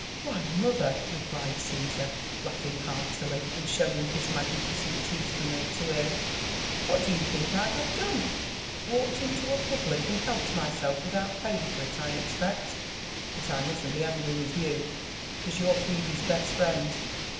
Why, mother 1" replied Caesar, laughing heartily, and showing his magnificent teeth from carlo ear, "what do you think I have donct —^walked into a public, and helped myself without paying for it, I expect? But I mustn't be angry with you, 'cause you're Phebe's best friend.